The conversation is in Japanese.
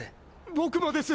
僕もです！